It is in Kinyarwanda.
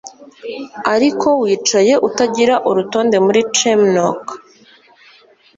Ariko wicaye utagira urutonde muri chimneynook